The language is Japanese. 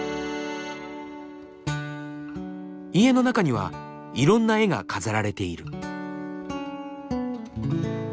家の中にはいろんな絵が飾られている。